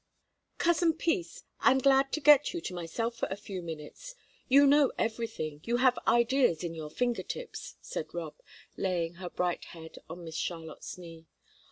"Cousin Peace, I'm glad to get you to myself for a few minutes; you know everything, you have ideas in your finger tips," said Rob, laying her bright head on Miss Charlotte's knee.